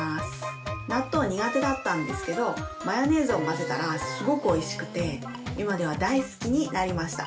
納豆苦手だったんですけどマヨネーズを混ぜたらすごくおいしくて今では大好きになりました。